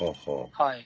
はい。